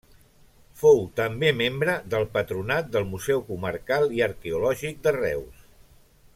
Fou també membre del patronat del Museu Comarcal i Arqueològic de Reus.